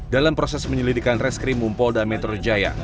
dalam proses penyelidikan reskrim mumpolda metro jaya